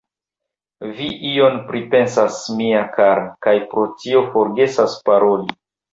Vi ion pripensas, mia kara, kaj pro tio forgesas paroli.